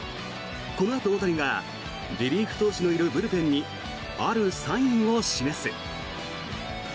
このあと大谷はリリーフ投手のいるブルペンにあるサインを示す。